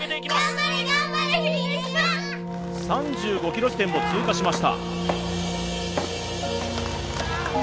３５キロ地点を通過しました